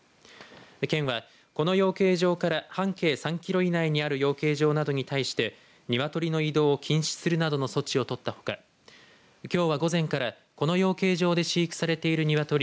県はこの養鶏場から半径３キロ以内にある養鶏場などに対してニワトリの移動を禁止するなどの措置を取ったほかきょうは午前から、この養鶏場で飼育されているニワトリ